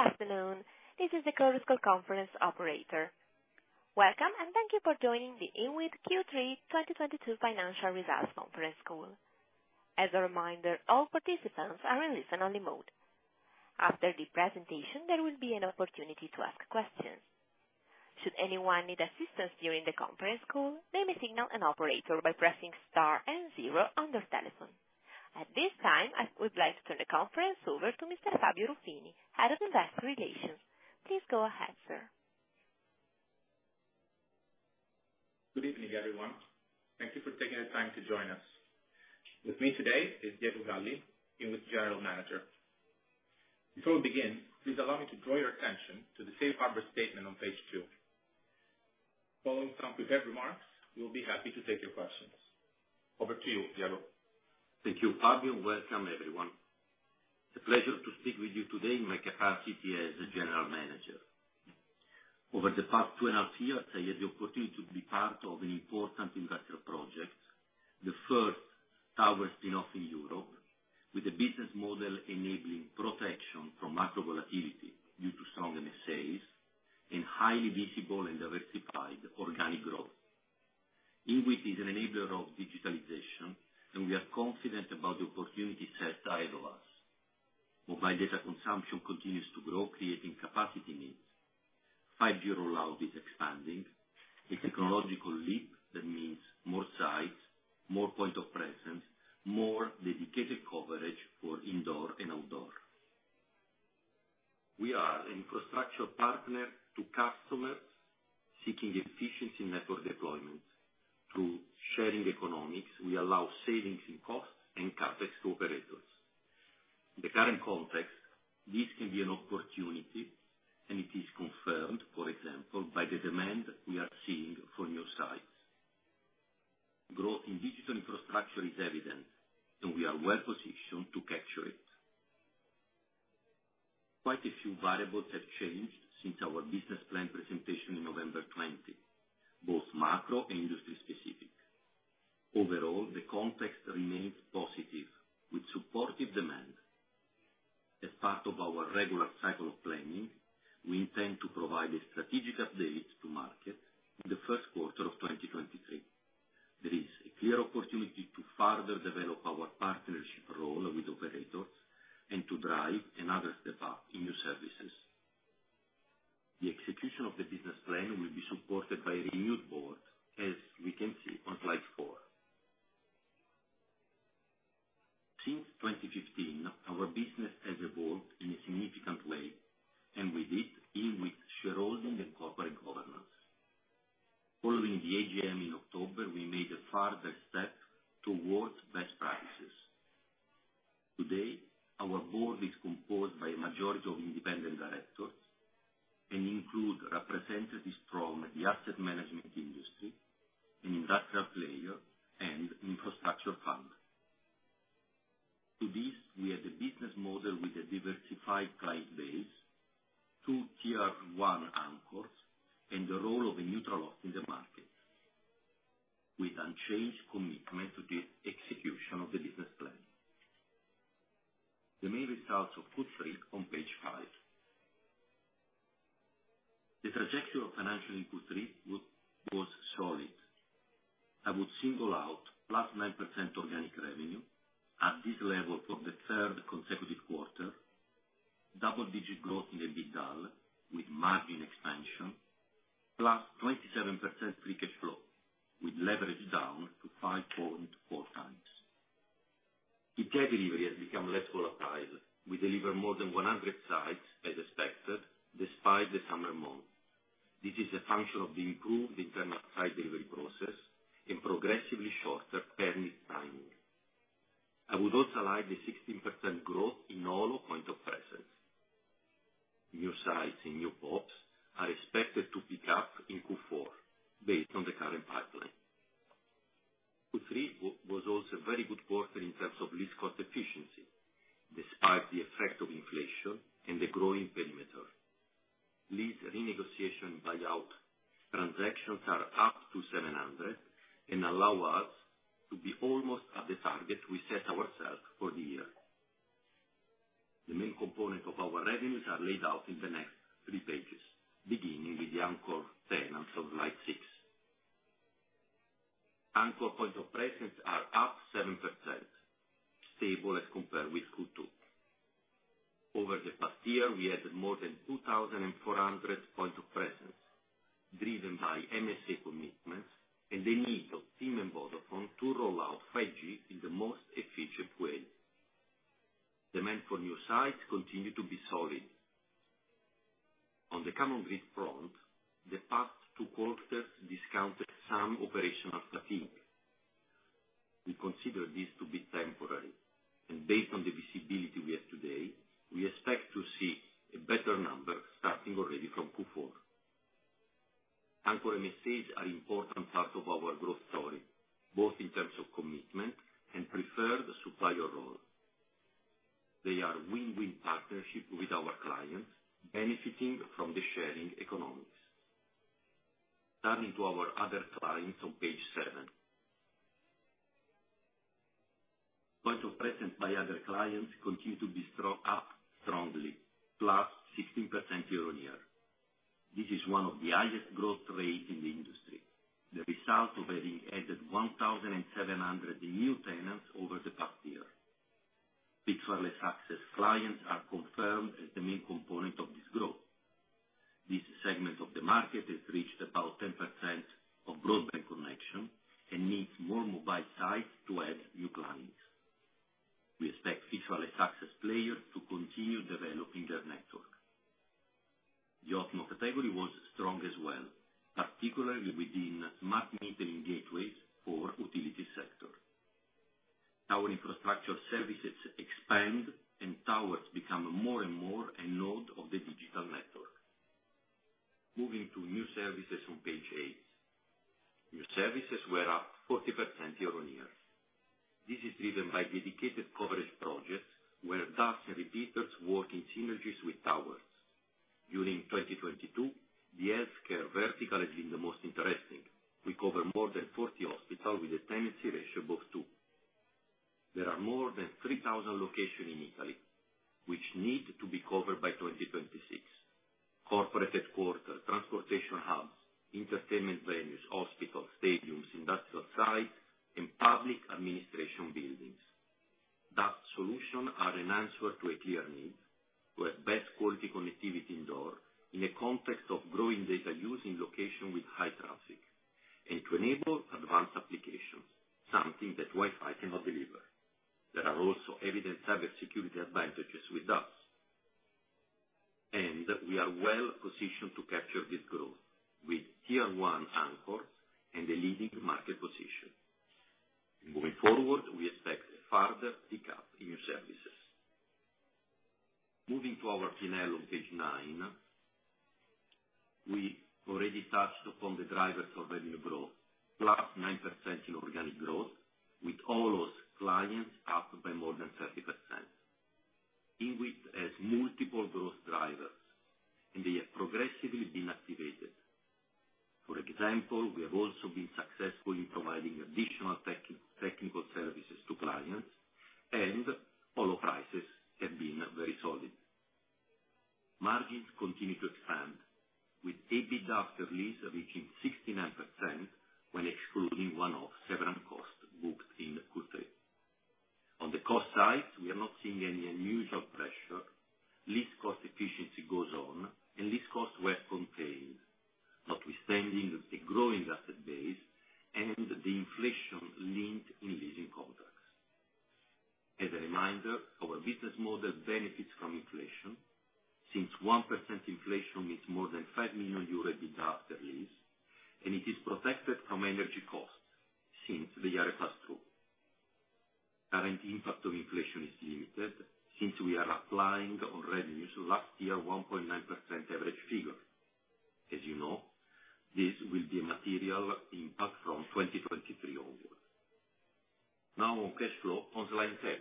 Good afternoon. This is the Chorus Call Conference Operator. Welcome, and thank you for joining the INWIT Q3 2022 financial results conference call. As a reminder, all participants are in listen-only mode. After the presentation, there will be an opportunity to ask questions. Should anyone need assistance during the conference call, they may signal an operator by pressing star and zero on their telephone. At this time, I would like to turn the conference over to Mr. Fabio Ruffini, Head of Investor Relations. Please go ahead, sir. Good evening, everyone. Thank you for taking the time to join us. With me today is Diego Galli, INWIT General Manager. Before we begin, please allow me to draw your attention to the safe harbor statement on page two. Following some prepared remarks, we'll be happy to take your questions. Over to you, Diego. Thank you, Fabio. Welcome, everyone. It's a pleasure to speak with you today in my capacity as the general manager. Over the past 2.5 years, I had the opportunity to be part of an important industrial project, the first tower spin-off in Europe, with a business model enabling protection from macro volatility due to strong MSAs, and highly visible and diversified organic growth. INWIT is an enabler of digitalization, and we are confident about the opportunities ahead of us. Mobile data consumption continues to grow, creating capacity needs. 5G rollout is expanding. A technological leap that means more sites, more point of presence, more dedicated coverage for indoor and outdoor. We are an infrastructure partner to customers seeking efficiency in network deployment. Through sharing economics, we allow savings in costs and CapEx to operators. In the current context, this can be an opportunity, and it is confirmed, for example, by the demand we are seeing for new sites. Growth in digital infrastructure is evident, and we are well-positioned to capture it. Quite a few variables have changed since our business plan presentation in November 2020, both macro and industry specific. Overall, the context remains positive with supportive demand. As part of our regular cycle of planning, we intend to provide a strategic update to market in the first quarter of 2023. There is a clear opportunity to further develop our partnership role with operators and to drive another step up in new services. The execution of the business plan will be supported by a renewed board, as we can see on slide 4. Since 2015, our business has evolved in a significant way, and with it, INWIT shareholding and corporate governance. Following the AGM in October, we made a further step towards best practices. Today, our board is composed by a majority of independent directors and include representatives from the asset management industry, an industrial player, and infrastructure partner. To this, we have a business model with a diversified client base, two Tier one anchors, and the role of a neutral host in the market, with unchanged commitment to the execution of the business plan. The main results of Q3 on page five. The trajectory of financials in Q3 was solid. I would single out +9% organic revenue at this level for the third consecutive quarter, double-digit growth in EBITDA with margin expansion, +27% free cash flow, with leverage down to 5.4x. Site delivery has become less volatile. We deliver more than 100 sites as expected despite the summer month. This is a function of the improved internal site delivery process and progressively shorter permit timing. I would also like the 16% growth in all points of presence. New sites and new PoPs are expected to pick up in Q4 based on the current pipeline. Q3 was also a very good quarter in terms of lease cost efficiency, despite the effect of inflation and the growing perimeter. Lease renegotiation buyout transactions are up to 700, and allow us to be almost at the target we set ourselves for the year. The main component of our revenues are laid out in the next three pages, beginning with the anchor tenants on slide 6. Anchor points of presence are up 7%, stable as compared with Q2. Over the past year, we added more than 2,400 points of presence driven by MSA commitments and the need of TIM and Vodafone to roll out 5G in the most efficient way. Demand for new sites continue to be solid. On the co-tenancy grid front, the past two quarters discounted some operational fatigue. We consider this to be temporary, and based on the visibility we have today, we expect to see a better number starting already from Q4. Anchor MSAs are important part of our growth story, both in terms of commitment and preferred supplier role. They are win-win partnership with our clients, benefiting from the sharing economics. Turning to our other clients on page seven. Points of presence by other clients continue to be strong, up strongly, +16% year-on-year. This is one of the highest growth rate in the industry. The result of having added 1,700 new tenants over the past year. Fixed wireless access clients are confirmed as the main component of this growth. This segment of the market has reached about 10% of broadband connection and needs more mobile sites to add new clients. We expect fixed wireless access players to continue developing their network. The OLO category was strong as well, particularly within smart metering gateways for utility sector. Our infrastructure services expand and towers become more and more a node of the digital network. Moving to new services on page 8. New services were up 40% year-over-year. This is driven by dedicated coverage projects where DAS and repeaters work in synergies with towers. During 2022, the healthcare vertical has been the most interesting. We cover more than 40 hospitals with a tenancy ratio of two. There are more than 3,000 locations in Italy which need to be covered by 2026. Corporate headquarters, transportation hubs, entertainment venues, hospitals, stadiums, industrial sites and public administration buildings. Those solutions are an answer to a clear need for best quality connectivity indoor in a context of growing data use in locations with high traffic, and to enable advanced applications, something that Wi-Fi cannot deliver. There are also evident cybersecurity advantages with DAS. We are well positioned to capture this growth with Tier 1 anchor and a leading market position. Moving forward, we expect further pickup in new services. Moving to our P&L on page 9. We already touched upon the drivers of revenue growth, +9% in organic growth with all those clients up by more than 30%. INWIT has multiple growth drivers, and they have progressively been activated. For example, we have also been successful in providing additional technical services to clients, and all our prices have been very solid. Margins continue to expand with EBITDA after lease reaching 69% when excluding one-off severance costs booked in Q3. On the cost side, we are not seeing any unusual pressure. Lease cost efficiency goes on, and lease costs were contained, notwithstanding the growing asset base and the inflation linked in leasing contracts. As a reminder, our business model benefits from inflation since 1% inflation means more than 5 million euros EBITDA after lease, and it is protected from energy costs since they are a pass-through. Current impact of inflation is limited since we are applying on revenues last year 1.9% average figure. As you know, this will be a material impact from 2023 onwards. Now on cash flow on slide ten.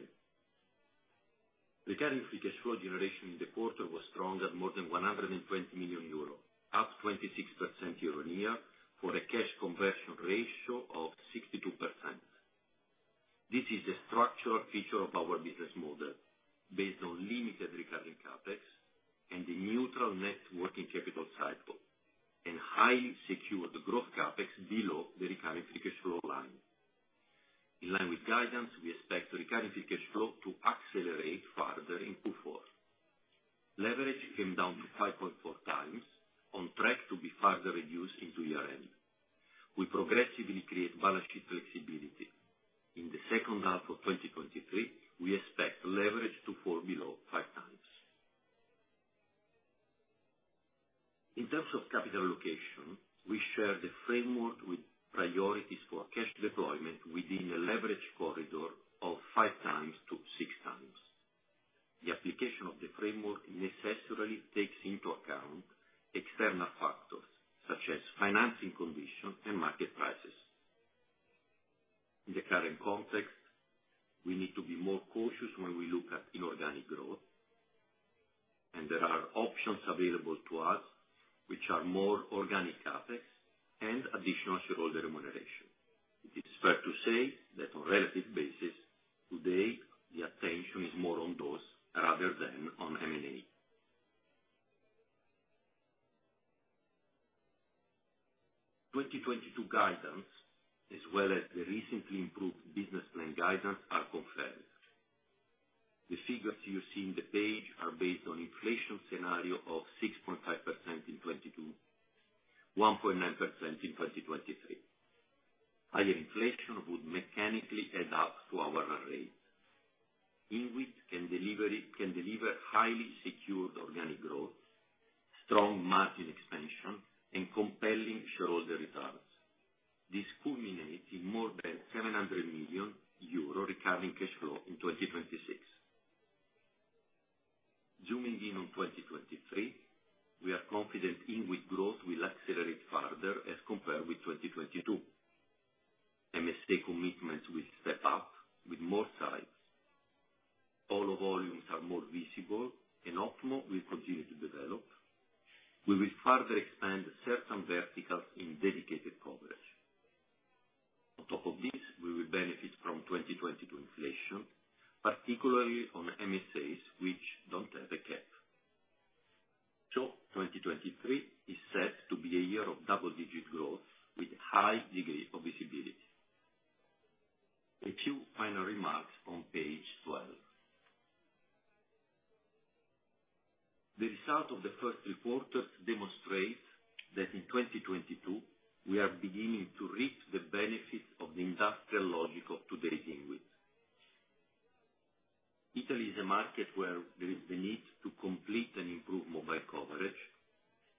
Recurrent free cash flow generation in the quarter was strong at more than 120 million euro, up 26% year-on-year for a cash conversion ratio of 62%. This is a structural feature of our business model based on limited recurring CapEx and a neutral net working capital cycle and highly secured growth CapEx below the recurring free cash flow line. In line with guidance, we expect recurring free cash flow to accelerate further in Q4. Leverage came down to 5.4x on track to be further reduced into year-end. We progressively create balance sheet flexibility. In the second half of 2023, we expect leverage to fall below 5x. In terms of capital allocation, we share the framework with priorities for cash deployment within a leverage corridor of 5x to 6x. The application of the framework necessarily takes into account external factors such as financing conditions and market prices. In the current context, we need to be more cautious when we look at inorganic growth, and there are options available to us which are more organic CapEx and additional shareholder remuneration. It is fair to say that on relative basis, today, the attention is more on those rather than on M&A. 2022 guidance as well as the recently improved business plan guidance are confirmed. The figures you see in the page are based on inflation scenario of 6.5% in 2022, 1.9% in 2023. Higher inflation would mechanically add up to our run rate. INWIT can deliver highly secured organic growth, strong margin expansion and compelling shareholder returns. This culminates in more than 700 million euro recurring cash flow in 2026. Zooming in on 2023, we are confident INWIT growth will accelerate further as compared with 2022. MSA commitments will step up with more sites. All volumes are more visible, and OLO will continue to develop. We will further expand certain verticals in dedicated coverage. On top of this, we will benefit from 2022 inflation, particularly on MSAs which don't have a cap. 2023 is set to be a year of double-digit growth with high degree of visibility. A few final remarks on page 12. The result of the first three quarters demonstrates that in 2022, we are beginning to reap the benefits of the industrial logic of today's INWIT. Italy is a market where there is the need to complete and improve mobile coverage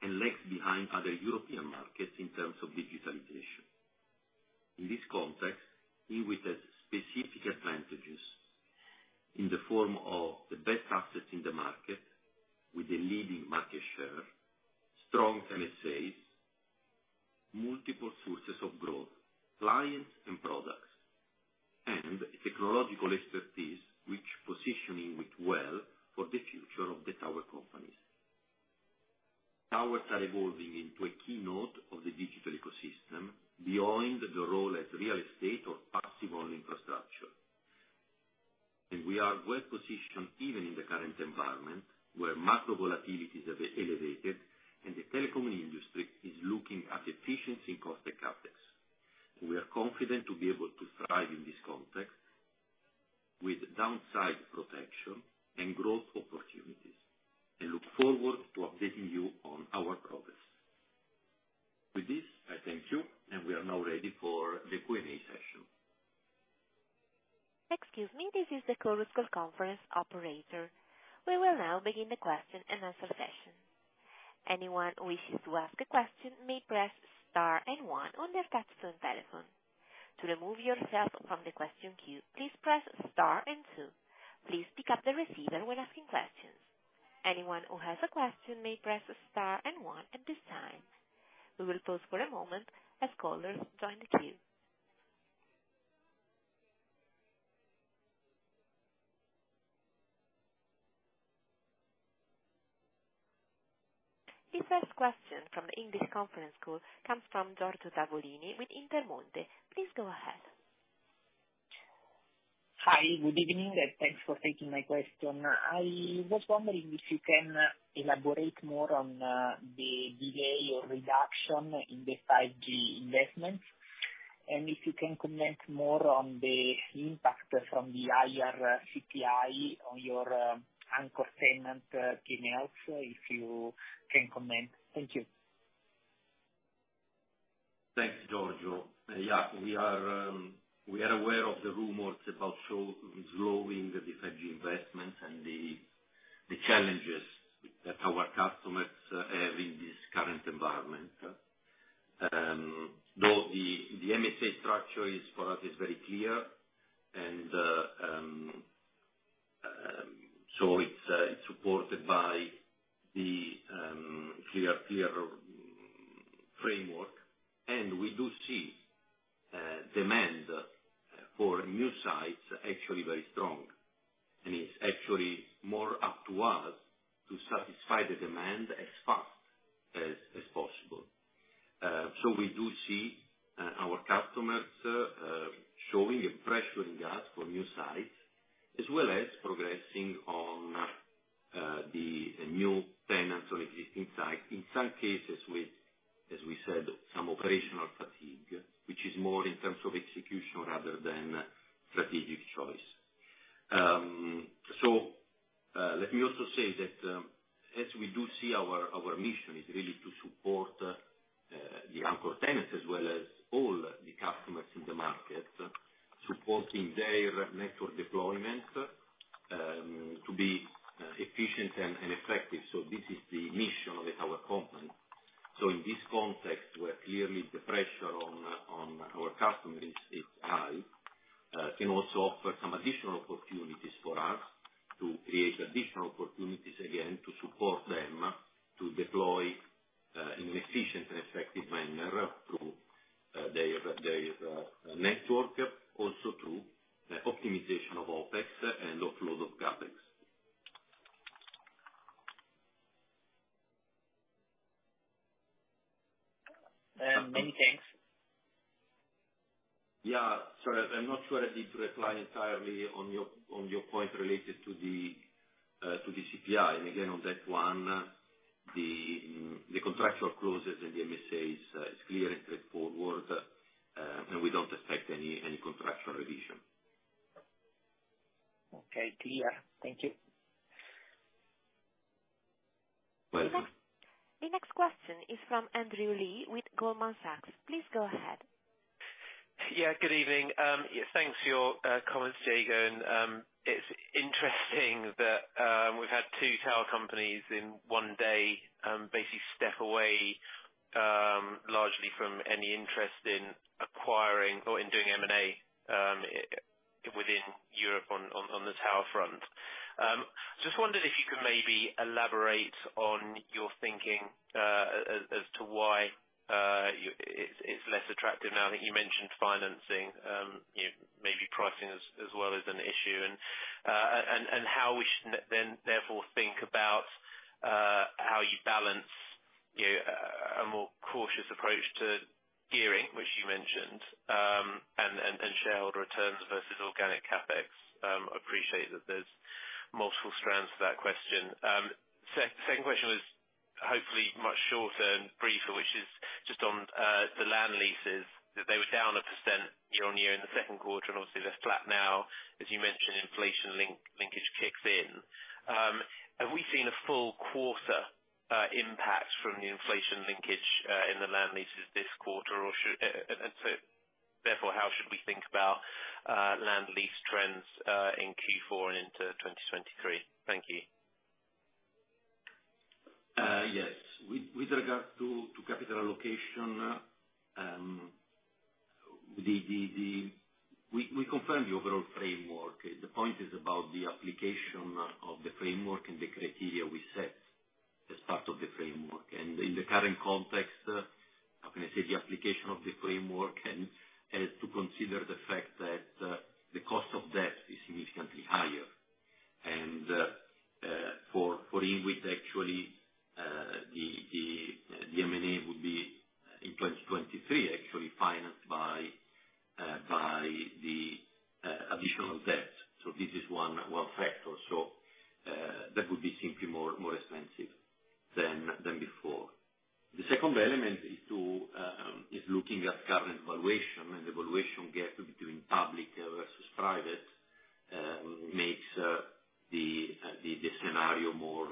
and lags behind other European markets in terms of digitalization. In this context, INWIT has specific advantages in the form of the best assets in the market with a leading market share, strong MSAs, multiple sources of growth, clients and products, and technological expertise which position INWIT well for the future of the tower companies. Towers are evolving into a keystone of the digital ecosystem beyond the role as real estate or passive infrastructure. We are well positioned even in the current environment, where macro volatilities have been elevated and the telecom industry is looking at efficiency across the CapEx. We are confident to be able to thrive in this context with downside protection and growth opportunities, and look forward to updating you on our progress. With this, I thank you, and we are now ready for the Q&A session. Excuse me, this is the Chorus Call conference operator. We will now begin the question-and-answer session. Anyone who wishes to ask a question may press star and one on their touch-tone telephone. To remove yourself from the question queue, please press star and two. Please pick up the receiver when asking questions. Anyone who has a question may press star and one at this time. We will pause for a moment as callers join the queue. The first question from the English conference call comes from Giorgio Tavolini with Intermonte. Please go ahead. Hi. Good evening, and thanks for taking my question. I was wondering if you can elaborate more on the delay or reduction in the 5G investments. If you can comment more on the impact from the higher CPI on your anchor tenant, TIM's lease. Thank you. Thanks, Giorgio. Yeah, we are aware of the rumors about slowing the 5G investments and the challenges that our customers have in this current environment. Though the MSA structure, for us, is very clear and it's supported by the clear framework. We do see demand for new sites actually very strong. It's actually more up to us to satisfy the demand as fast as possible. We do see our customers showing and pressuring us for new sites, as well as progressing on the new tenants on existing sites. In some cases with, as we said, some operational fatigue, which is more in terms of execution rather than strategic choice. Let me also say that, as we do see our mission is really to support the anchor tenants as well as all the customers in the market, supporting their network deployment to be efficient and effective. This is the mission of our company. In this context, where clearly the pressure on our customers is high, can also offer some additional opportunities for us to create additional opportunities, again, to support them to deploy in an efficient and effective manner through their network, also through optimization of OpEx and offload of CapEx. Many thanks. Sorry, I'm not sure I did reply entirely on your point related to the CPI. Again, on that one, the contractual clauses in the MSA is clear and straightforward, and we don't expect any contractual revision. Okay. Clear. Thank you. Welcome. The next question is from Andrew Lee with Goldman Sachs. Please go ahead. Yeah, good evening. Thanks for your comments, Diego. It's interesting that we've had two tower companies in one day basically step away largely from any interest in acquiring or in doing M&A within Europe on the tower front. Just wondered if you could maybe elaborate on your thinking as to why it's less attractive now that you mentioned financing, you know, maybe pricing as well as an issue and how we should then therefore think about how you balance. Yeah, a more cautious approach to gearing, which you mentioned, and shareholder returns versus organic CapEx. Appreciate that there's multiple strands to that question. Second question was hopefully much shorter and briefer, which is just on the land leases, that they were down 1% year-on-year in the second quarter, and obviously they're flat now. As you mentioned, inflation linkage kicks in. Have we seen a full quarter impact from the inflation linkage in the land leases this quarter, or should therefore, how should we think about land lease trends in Q4 and into 2023? Thank you. Yes. With regard to capital allocation, we confirm the overall framework. The point is about the application of the framework and the criteria we set as part of the framework. In the current context, how can I say? The application of the framework has to consider the fact that the cost of debt is significantly higher. For INWIT actually, the M&A would be, in 2023 actually, financed by the additional debt. This is one factor. That would be simply more expensive than before. The second element is looking at current valuation, and the valuation gap between public versus private makes the scenario more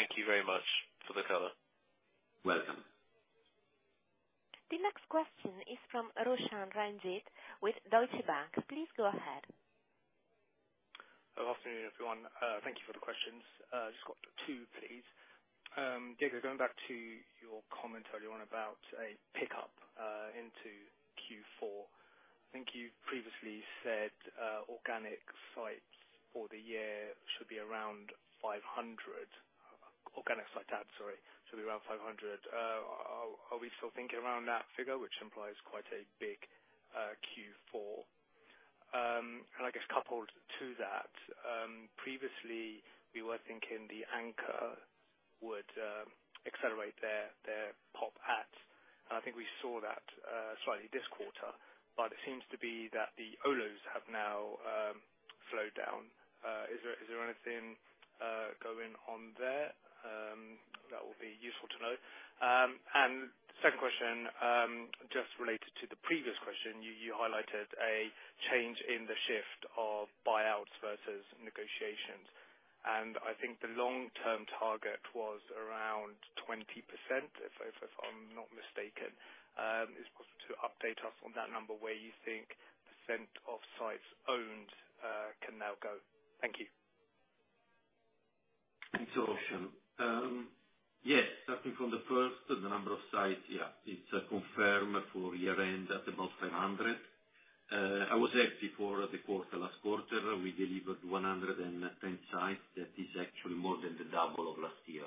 thank you very much for the color. Welcome. The next question is from Roshan Ranjit with Deutsche Bank. Please go ahead. Good afternoon, everyone. Thank you for the questions. Just got two, please. Diego, going back to your comment earlier on about a pickup into Q4. I think you previously said, organic sites for the year should be around 500. Organic site adds, sorry, should be around 500. Are we still thinking around that figure, which implies quite a big and I guess coupled to that, previously we were thinking the anchor would accelerate their PoP adds, and I think we saw that slightly this quarter, but it seems to be that the OLOs have now slowed down. Is there anything going on there that will be useful to know? Second question, just related to the previous question, you highlighted a change in the shift of buyouts versus negotiations. I think the long-term target was around 20%, if I'm not mistaken. Is it possible to update us on that number, where you think percent of sites owned can now go? Thank you. Thanks, Roshan. Yes, starting from the first, the number of sites, yeah. It's confirmed for year-end at about 500. I was happy for the quarter. Last quarter, we delivered 110 sites. That is actually more than the double of last year.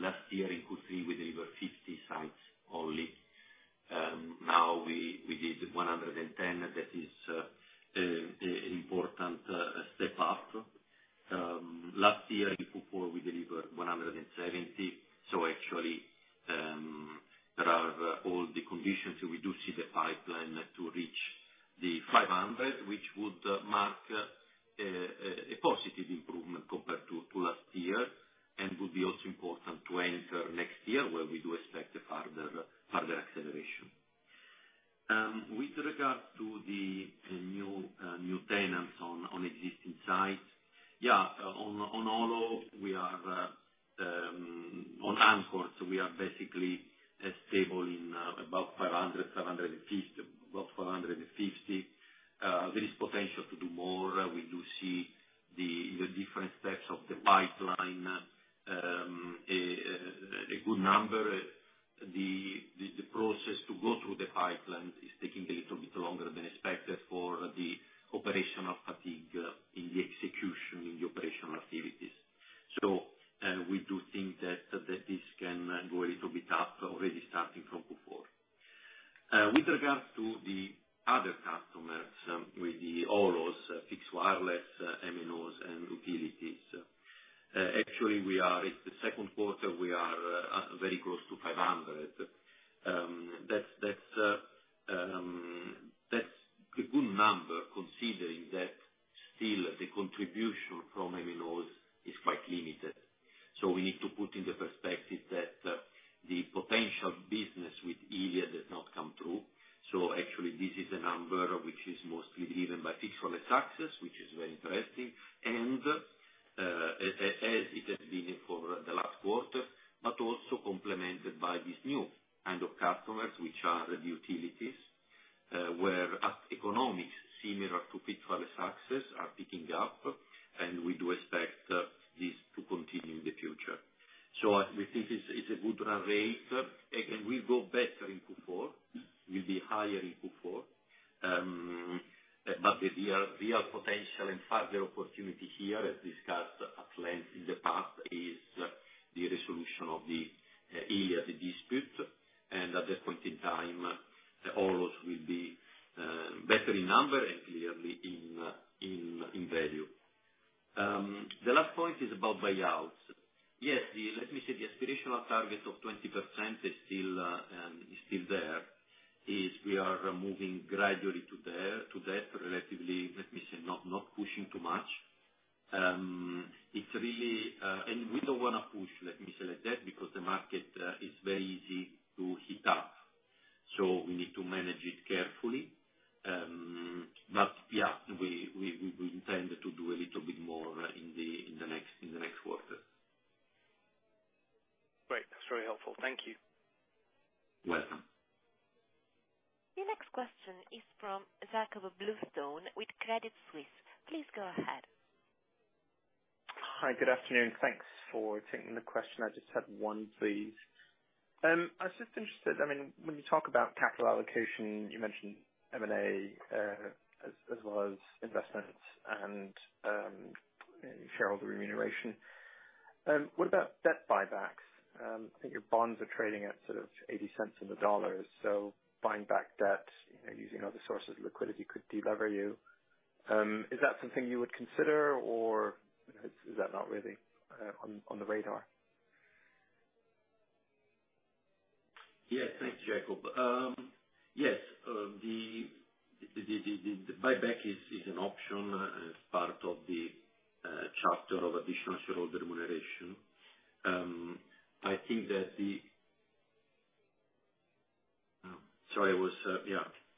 Last year in Q3, we delivered 50 sites only. Now we did 110. That is close to 500. That's a good number considering that still the contribution from MNOs is quite limited. We need to put into perspective that the potential business with Iliad does not come through. Actually this is a number which is mostly driven by fixed wireless access, which is very interesting. As it has been for the last quarter, but also complemented by these new kind of customers, which are the utilities, where the economics similar to fixed wireless access are picking up, and we do expect this to continue in the future. We think it's a good run rate. And we'll go better in Q4. We'll be higher in Q4. But the real potential and further opportunity here, as discussed at length in the past, is the resolution of the Iliad dispute. At that point in time, the OLOs will be better in number and clearly in value. The last point is about buyouts. Yes, let me say the aspirational target of 20% is still there. We are moving gradually to Good afternoon. Thanks for taking the question. I just have one, please. I was just interested, I mean, when you talk about capital allocation, you mentioned M&A, as well as investments and, shareholder remuneration. What about debt buybacks? I think your bonds are trading at sort of 80 cents on the dollar, so buying back debt, you know, using other sources of liquidity could delever you. Is that something you would consider or is that not really on the radar? Yeah. Thanks, Jakob. Yes. The buyback is an option as part of the chapter of additional shareholder remuneration. Sorry.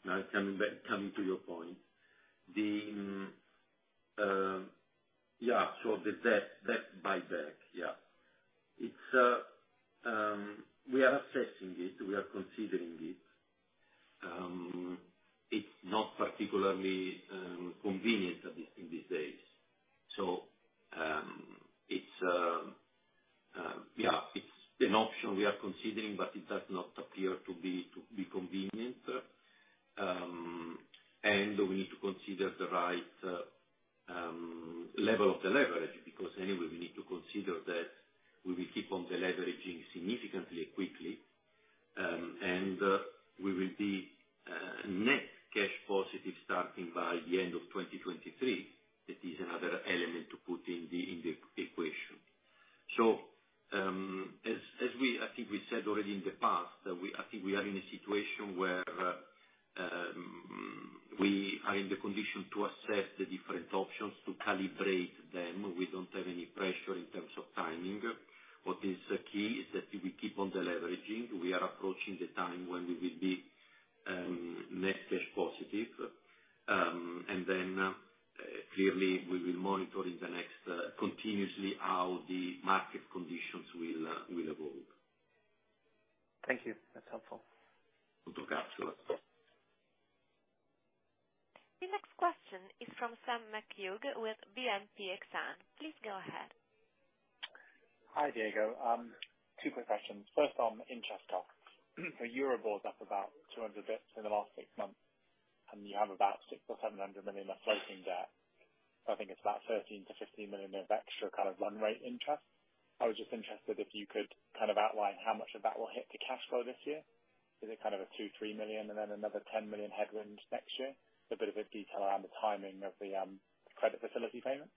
Now coming to your point. The debt buyback. We are assessing it. We are considering it. It's not particularly convenient in these days. It's an option we are considering, but it does not appear to be convenient. We need to consider the right level of the leverage, because anyway, we need to consider that we will keep on deleveraging significantly quickly, and we will be net cash positive starting by the end of 2023. That is another element to put in the equation. As we, I think, we said already in the past that I think we are in a situation where we are in the condition to assess the different options to calibrate them. We don't have any pressure in terms of timing. What is key is that if we keep on deleveraging, we are approaching the time when we will be net cash positive. Clearly we will monitor in the next continuously how the market conditions will evolve. Thank you. That's helpful. The next question is from Sam McHugh with BNP Exane. Please go ahead. Hi, Diego. Two quick questions. First, on interest costs. Euribor's up about 200 basis points in the last six months, and you have about 600-700 million of floating debt. I think it's about 13-15 million of extra kind of run rate interest. I was just interested if you could kind of outline how much of that will hit the cash flow this year. Is it kind of a 2-3 million and then another 10 million headwind next year? A bit of a detail around the timing of the credit facility payment.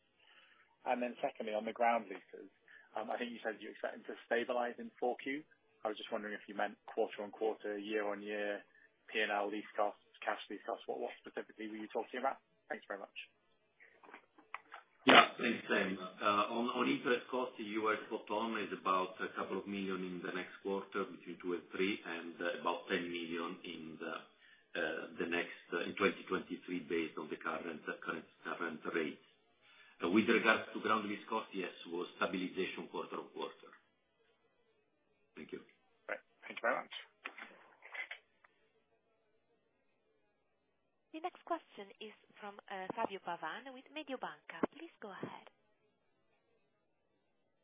Secondly, on the ground leases, I think you said you're expecting to stabilize in 4Q. I was just wondering if you meant quarter-on-quarter, year-on-year, P&L lease costs, cash lease costs. What specifically were you talking about? Thanks very much. Yeah. Thanks, Sam. On interest costs, the bottom is about a couple of 2 million in the next quarter, between 2 million and 3 million, and about 10 million in 2023 based on the current rates. With regards to ground lease costs, yes, it was stabilization quarter-on-quarter. Thank you. All right. Thanks very much. The next question is from, Fabio Pavan with Mediobanca. Please go ahead.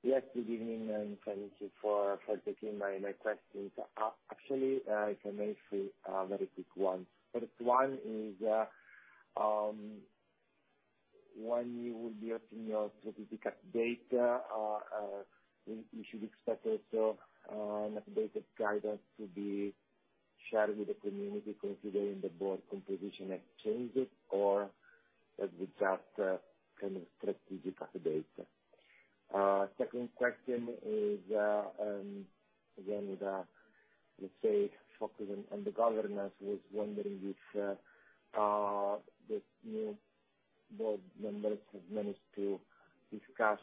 Yes, good evening, and thank you for taking my questions. Actually, if I may ask three very quick ones. First one is, when you will be opening your strategic update, we should expect also, an updated guidance to be shared with the community considering the board composition has changed, or is it just, kind of strategic update? Second question is, again, with, let's say focusing on the governance. Was wondering if, this new board members have managed to discuss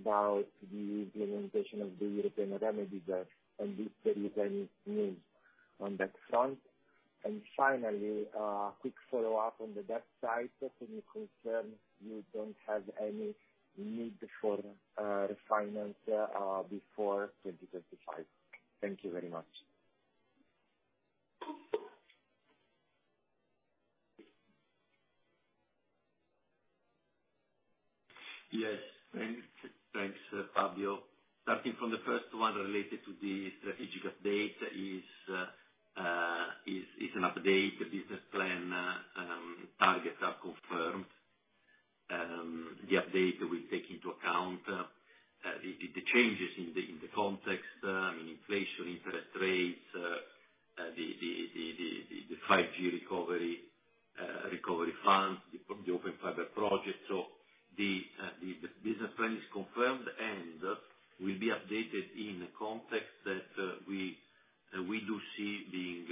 about the implementation of the Remedies Directives, and if there is any news on that front. Finally, quick follow-up on the debt side. To the extent you don't have any need for, refinance, before 2025. Thank you very much. Yes. Thanks. Thanks, Fabio. Starting from the first one related to the strategic update is an update. The business plan targets are confirmed. The update will take into account the changes in the context, I mean inflation, interest rates, the 5G recovery fund, the Open Fiber project. The business plan is confirmed and will be updated in a context that we do see being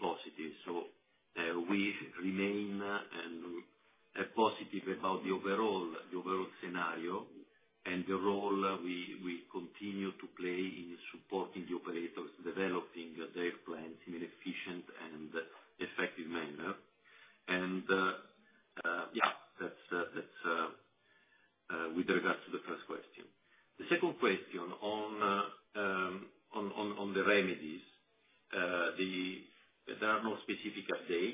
positive. We remain positive about the overall scenario and the role we continue to play in supporting the operators developing their plans in an efficient and effective manner. That's with regards to the first question. The second question on the remedies. There are no specific updates.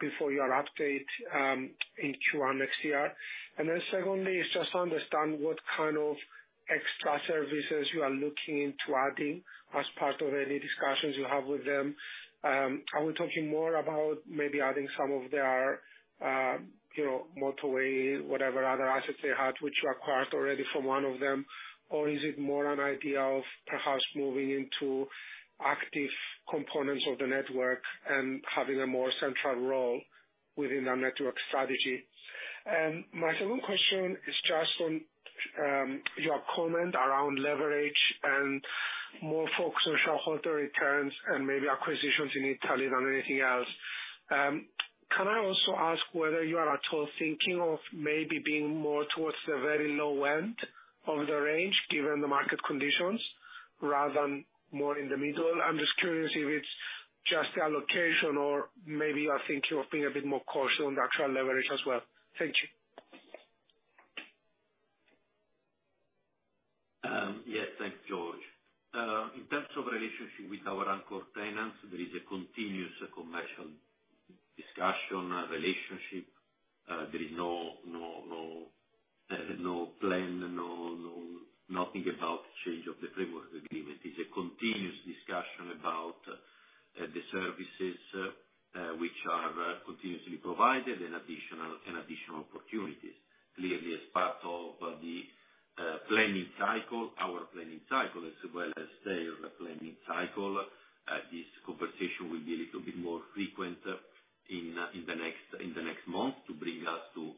before your update, in Q1 next year. Then secondly is just to understand what kind of extra services you are looking into adding as part of any discussions you have with them. Are we talking more about maybe adding some of their, you know, motorway, whatever other assets they had, which you acquired already from one of them? Is it more an idea of perhaps moving into active components of the network and having a more central role within the network strategy? My second question is just on your comment around leverage and more focus on shareholder returns and maybe acquisitions in Italy than anything else. Can I also ask whether you are at all thinking of maybe being more towards the very low end of the range given the market conditions, rather than more in the middle? I'm just curious if it's just the allocation or maybe you are thinking of being a bit more cautious on the actual leverage as well. Thank you. Yes. Thanks, George. In terms of relationship with our anchor tenants, there is a continuous commercial discussion, relationship. There is no plan, nothing about change of the framework agreement. It's a continuous discussion about the services which are continuously provided and additional opportunities. Clearly, as part of the planning cycle, our planning cycle, as well as their planning cycle, this conversation will be a little bit more frequent in the next month to bring us to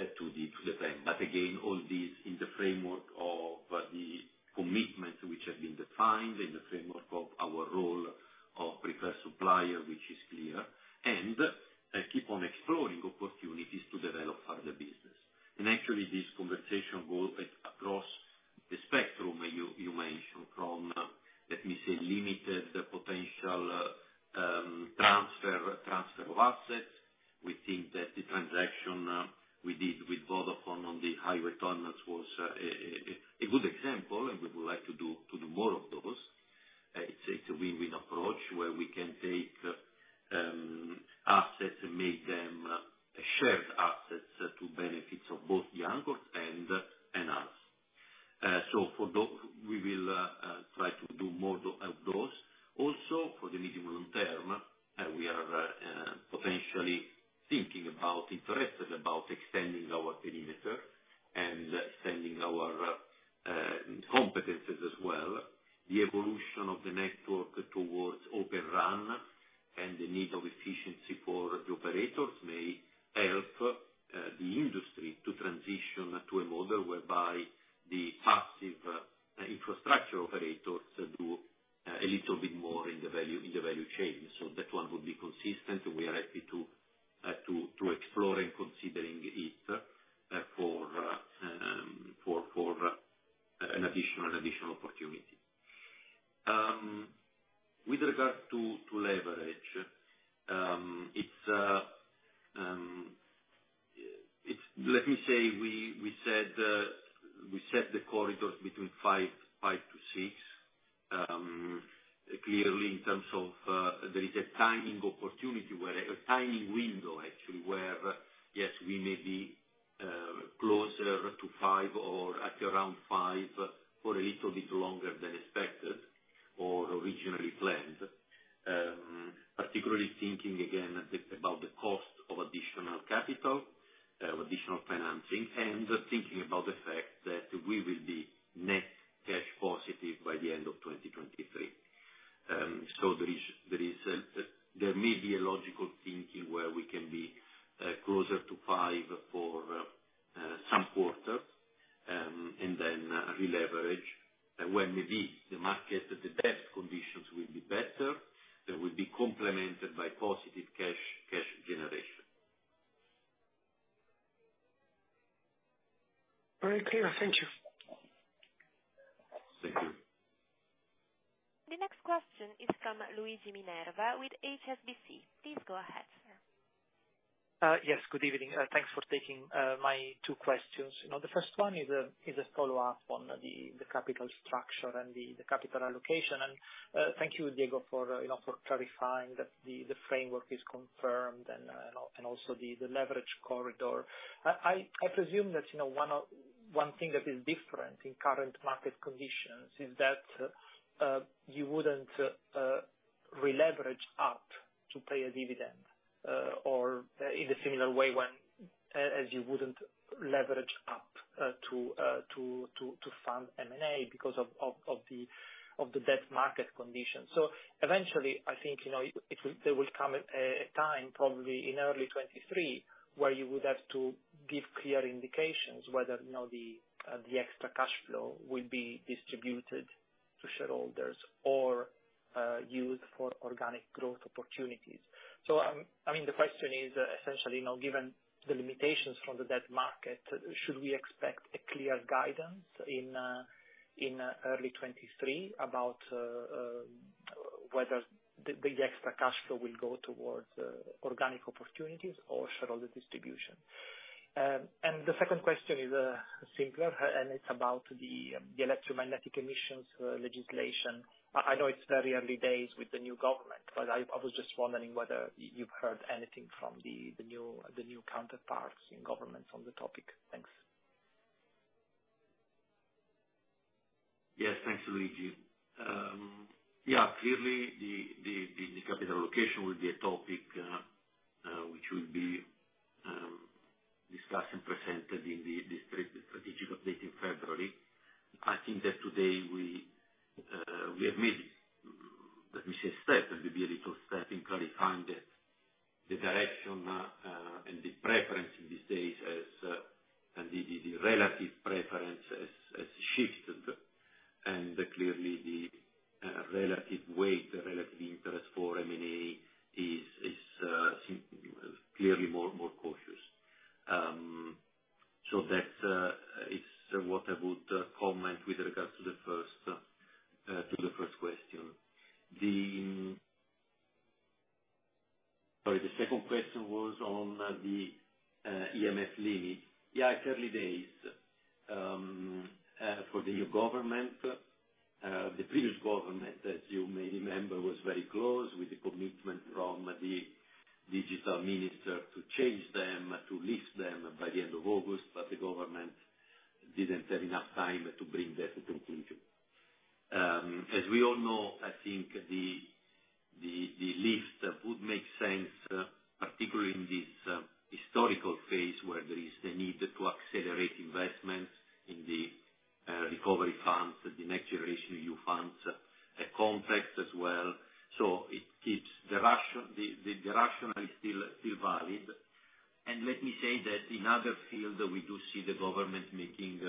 the plan. Again, all this in the framework for a little bit longer than expected or originally planned. Particularly thinking again about the cost of additional capital, additional financing, and thinking about the fact that we will be net cash positive by the end of 2023. There may be a logical thinking where we can be closer to 5x for some quarters, and then re-leverage when maybe the market, the debt conditions will be better. That will be complemented by positive cash generation. Very clear. Thank you. Thank you. The next question is from Luigi Minerva with HSBC. Please go ahead. Yes. Good evening. Thanks for taking my two questions. You know, the first one is a follow-up on the capital structure and the capital allocation. Thank you, Diego, for clarifying that the framework is confirmed and also the leverage corridor. I presume that, you know, one thing that is different in current market conditions is that you wouldn't re-leverage up to pay a dividend or in a similar way as you wouldn't leverage up to fund M&A because of the debt market conditions. Eventually, I think, you know, there will come a time probably in early 2023, where you would have to give clear indications whether, you know, the extra cash flow will be distributed to shareholders or used for organic growth opportunities. I mean, the question is essentially, you know, given the limitations from the debt market, should we expect a clear guidance in early 2023 about whether the extra cash flow will go towards organic opportunities or shareholder distribution? The second question is simpler, and it's about the electromagnetic emissions legislation. I know it's very early days with the new government, but I was just wondering whether you've heard anything from the new counterparts in government on the topic. Thanks. Yes. Thanks, Luigi. Yeah, clearly the capital allocation will be a topic which will be discussed and presented in the strategic update in February. I think that today we have made, let me say, a little step in clarifying the direction and the preference in this stage as the relative preference has shifted. Clearly the relative weight, the relative interest for M&A seems clearly more cautious. That is what I would comment with regards to the first question. Sorry, the second question was on the EMF levy. Yeah, it's early days for the new government. The previous government, as you may remember, was very close with the commitment from the digital minister to change them, to list them by the end of August, but the government didn't have enough time to bring that to conclusion. As we all know, I think the lift would make sense, particularly in this historical phase where there is the need to accelerate investments in the recovery funds, the Next Generation EU funds context as well. The rationale is still valid. Let me say that in other fields we do see the government making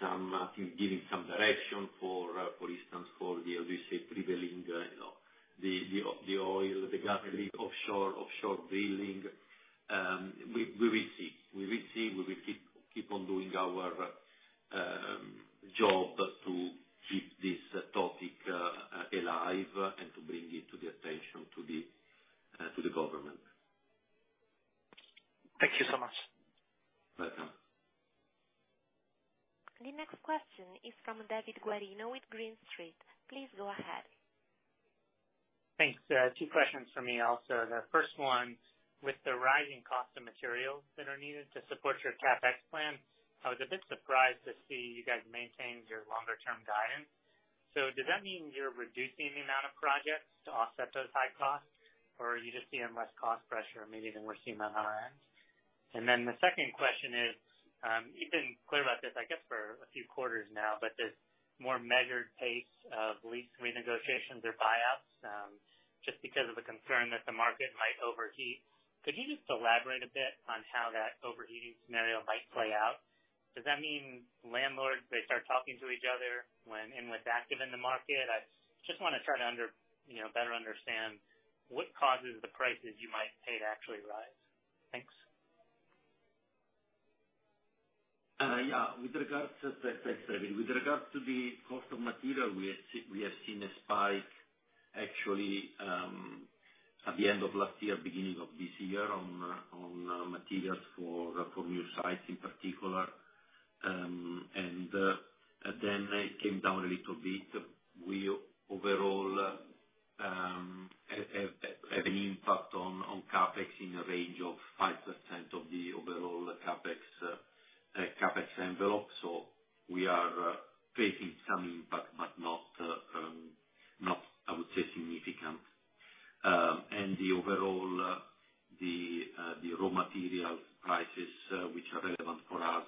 some giving some direction for instance, for the, how do you say, prevailing, you know, the oil, the gas, like offshore drilling. We will see. We will see. We will keep on doing our job to keep this topic alive and to bring it to the attention of the government. Thank you so much. Welcome. The next question is from David Guarino with Green Street. Please go ahead. Thanks. Two questions from me also. The first one, with the rising cost of materials that are needed to support your CapEx plan, I was a bit surprised to see you guys maintain your longer term guidance. Does that mean you're reducing the amount of projects to offset those high costs, or are you just seeing less cost pressure maybe than we're seeing on our end? The second question is, you've been clear about this, I guess, for a few quarters now, but there's more measured pace of lease renegotiations or buyouts, just because of the concern that the market might overheat. Could you just elaborate a bit on how that overheating scenario might play out? Does that mean landlords, they start talking to each other when INWIT's active in the market? I just wanna try to under... You know, better understand what causes the prices you might pay to actually rise. Thanks. Thanks, David. With regards to the cost of material, we have seen a spike actually at the end of last year, beginning of this year on materials for new sites in particular. Then it came down a little bit. We overall have an impact on CapEx in a range of 5% of the overall CapEx envelope. We are facing some impact, but not, I would say, significant. The overall raw material prices, which are relevant for us,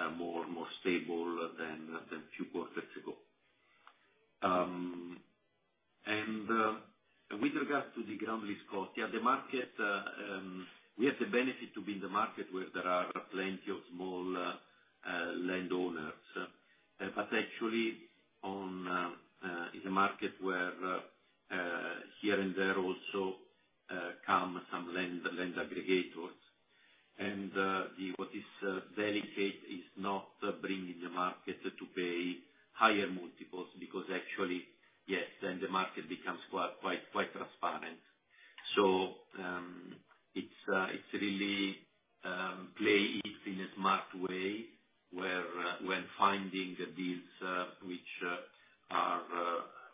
are more stable than a few quarters ago. With regards to the ground lease cost, yeah, the market, we have the benefit to be in the market where there are plenty of small landowners. Actually in the market where here and there also come some land aggregators. What is delicate is not bringing the market to pay higher multiples because actually, yes, then the market becomes quite transparent. It's really play it in a smart way where when finding deals which are,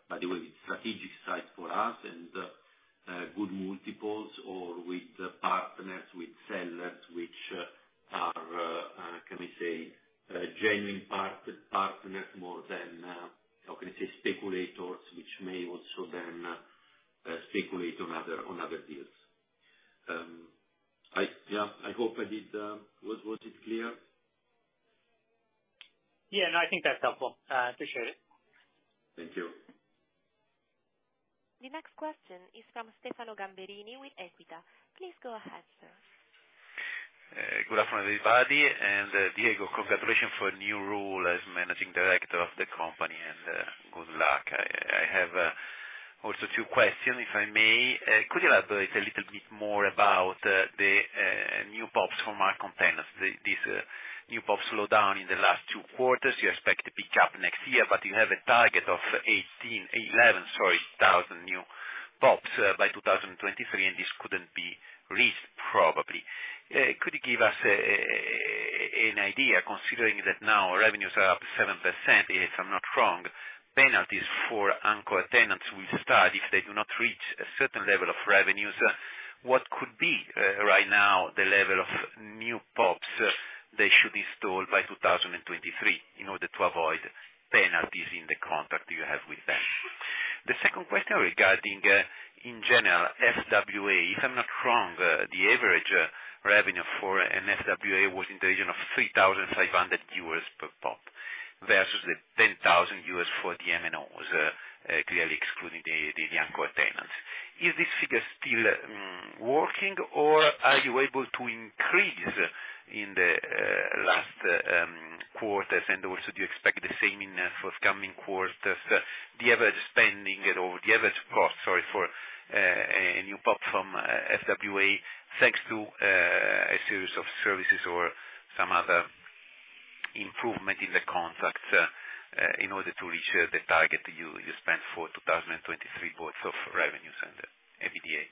by the way, strategic sites for us and good multiples or with partners, with sellers which are, can we say, genuine partners more than, how can I say, speculators which may also then speculate on other deals. Yeah, I hope I did. Was it clear? Yeah. No, I think that's helpful. Appreciate it. Thank you. The next question is from Stefano Gamberini with Equita. Please go ahead, sir. Good afternoon, everybody. Diego Galli, congratulations for your new role as managing director of the company, and good luck. I have also two questions, if I may. Could you elaborate a little bit more about the new PoPs from our containers? New POP slowdown in the last two quarters. You expect to pick up next year, but you have a target of eleven, sorry, thousand new POPs by 2023, and this couldn't be reached probably. Could you give us an idea considering that now revenues are up 7%, if I'm not wrong, penalties for anchor tenants will start if they do not reach a certain level of revenues. What could be right now the level of new POPs they should install by 2023 in order to avoid penalties in the contract you have with them? The second question regarding in general, FWA. If I'm not wrong, the average revenue for an FWA was in the region of 3,500 euros per POP versus the 10,000 euros for the MNOs, clearly excluding the anchor tenants. Is this figure still working, or are you able to increase in the last quarters? Also, do you expect the same in the forthcoming quarters, the average spending or the average cost, sorry, for a new PoP from FWA, thanks to a series of services or some other improvement in the contracts, in order to reach the target you set for 2023, both of revenues and EBITDA.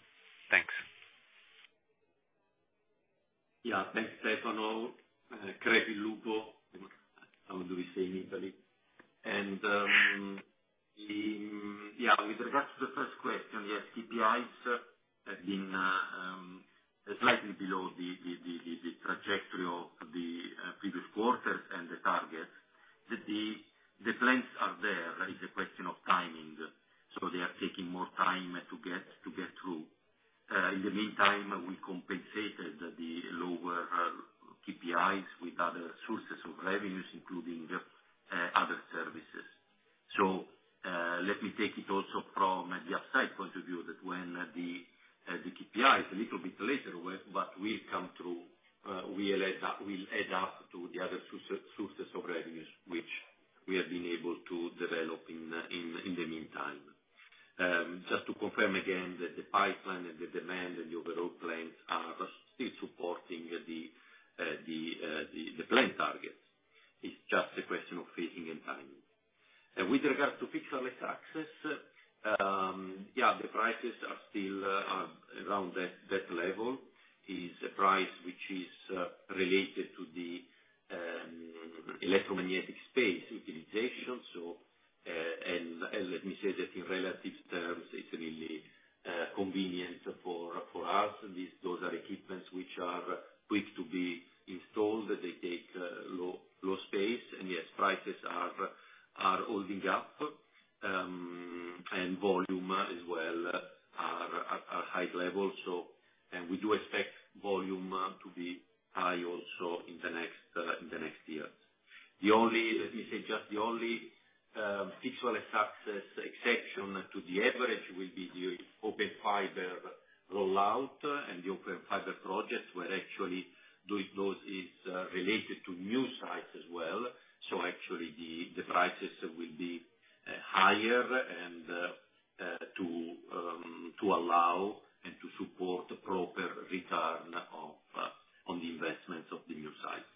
Thanks. Yeah. Thanks, Stefano. How do we say in Italy? And with regards to the first question, yes, KPIs have been tracking below the trajectory of the previous quarter and the target. The trends are there, it's a question of timing. So they are taking more time to get through. In the meantime, we compensated the lower KPIs with other sources of revenues, including other services. So let me take it also from an outside point of view that when the KPI is a little bit later, but we come to, we will end up to the other two sources of revenues which we have been able to develop in the meantime. So to confirm again that the pipeline and the demand that you have a plan are still supporting the plan target. It's just a question of aging and timing. And with regard to pixel bit access, yeah, the prices are still around that level. It's a price which is related to the electromagnetic space utilization. And let me say that in relative terms, it's really convenient for us and these total equipments which are quick to be installed, they take low space, and yes, prices are holding up and volume as well are high levels, so we do expect volume to be high also in the next year. The only feature exception to the average will be the OpenFiber roll-out and the OpenFiber project where actually the load is related to new sites as well. So actually the prices will be higher and to allow and to support the proper return of investment on the new site.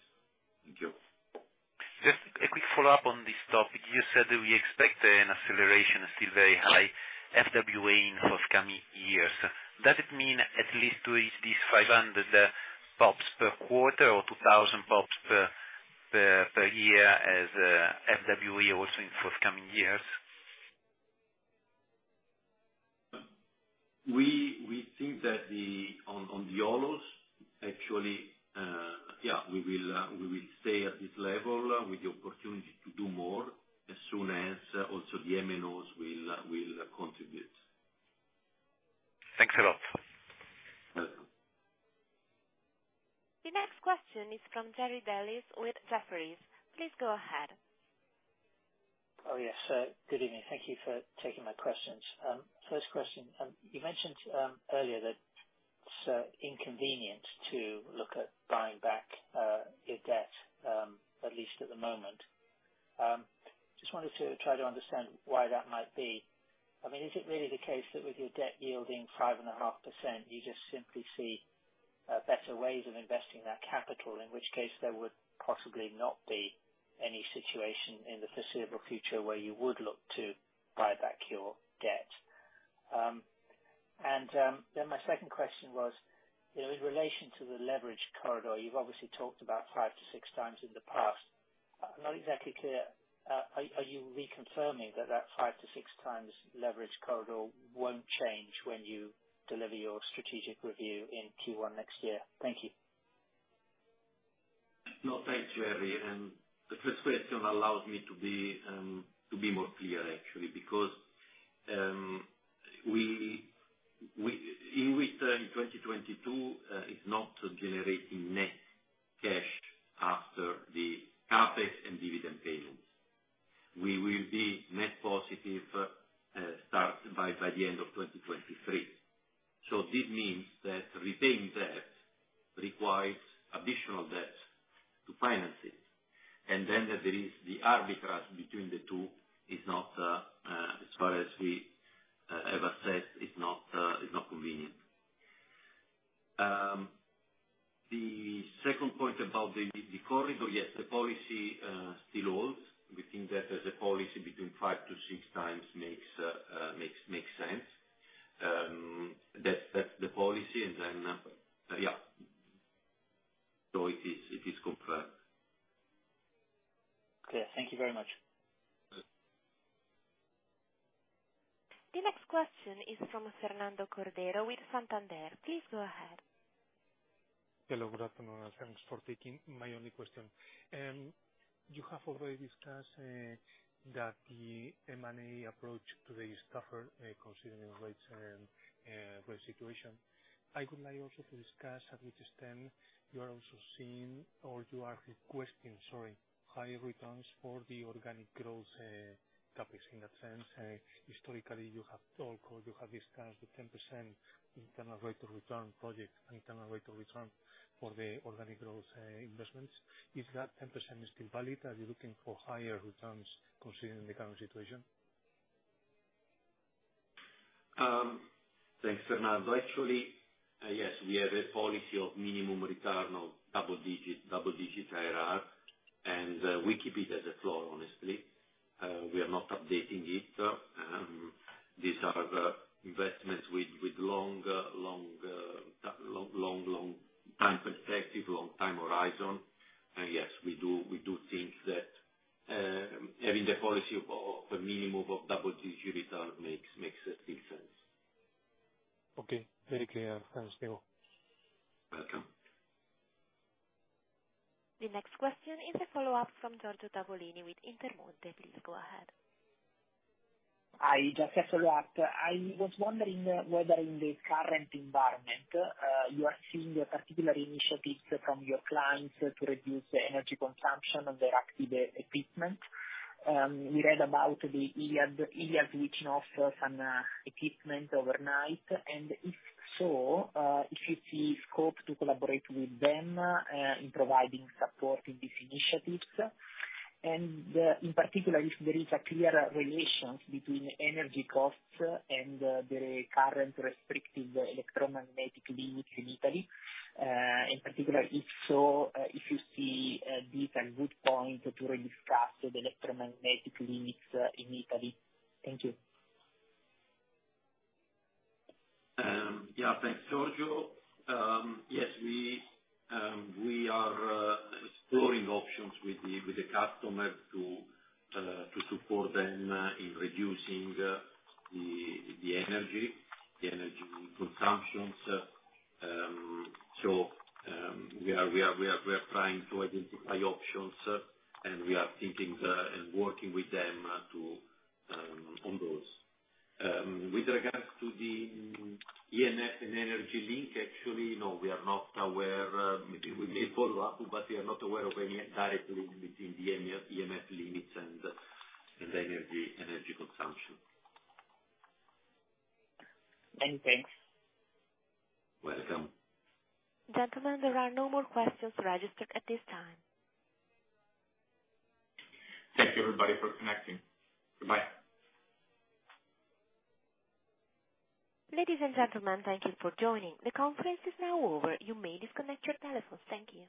Just a quick follow-up on this topic. You said that we expect an acceleration still there. The highlights FWA in the forthcoming years, does it mean at least 2 to 500 pops per quarter or 2,000 pops per year as FWA also in the forthcoming years? We think that on the allos, actually, yeah, we will stay at this level with the opportunity to do more as soon as also the MNOs will contribute. Thanks a lot. The next question is from Jerry Dellis with Jefferies. Please go ahead. Oh, yes, good evening. Thank you for taking my questions. First question, you mentioned earlier that it's inconvenient to look at buying back your debt, at least at the moment. I just wanted to try to understand why that might be. I mean, is it really the case that with your debt yielding 5.5%, you just simply see better ways of investing that capital, in which case there would possibly not be any situation in the foreseeable future where you would look to buy back your debt. And then my second question was in relation to the leverage corridor. You've obviously talked about 5 to 6 times in the past. I'm not exactly clear. Are you reconfirming that that 5 to 6 times leverage corridor won't change when you deliver your strategic review in Q1 next year? Thank you. No, thanks, Jerry. The first question allows me to be more clear, actually, because in 2022 is not generating net cash after the CapEx and dividend payments. We will be net positive starting by the end of 2023. This means that repaying debt requires additional debt to finance it. Then there is the arbitrage between the two is not as far as we ever said, it's not convenient. The second point about the corridor, yes, the policy still holds. We think that a policy between five-six times makes sense. That's the policy. It is confirmed. Clear. Thank you very much. Uh- The next question is from Fernando Cordero with Santander. Please go ahead. Hello. Good afternoon, and thanks for taking my only question. You have already discussed that the M&A approach today suffered considering rates and rate situation. I would like also to discuss at which extent you are also seeing or you are requesting, sorry, higher returns for the organic growth topics in that sense. Historically you have talked or you have discussed the 10% internal rate of return project and internal rate of return for the organic growth investments. Is that 10% still valid? Are you looking for higher returns considering the current situation? Thanks, Fernando. Actually, yes, we have a policy of minimum return of double digit IRR, and we keep it as a floor, honestly. We are not updating it. These are the investments with long time perspective, long time horizon. Yes, we do think that having the policy of a minimum of double digit return makes good sense. Okay. Very clear. Thanks, Diego. Welcome. The next question is a follow-up from Giorgio Tavolini with Intermonte. Please go ahead. I just have follow-up. I was wondering whether in the current environment, you are seeing a particular initiatives from your clients to reduce the energy consumption of their active equipment. We read about the Iliad which now turns off some equipment overnight, and if so, if you see scope to collaborate with them in providing support in these initiatives. In particular, if there is a clear relationship between energy costs and the current restrictive electromagnetic limits in Italy, in particular, if so, if you see this a good point to re-discuss the electromagnetic limits in Italy. Thank you. Yeah. Thanks, Giorgio. Yes, we are exploring options with the customer to support them in reducing the energy consumptions. So, we are trying to identify options, and we are thinking and working with them on those. With regards to the EMF and energy link, actually, no, we are not aware. Maybe we may follow up, but we are not aware of any direct link between the EMF limits and energy consumption. Many thanks. Welcome. Gentlemen, there are no more questions registered at this time. Thank you everybody for connecting. Goodbye. Ladies and gentlemen, thank you for joining. The conference is now over. You may disconnect your telephones. Thank you.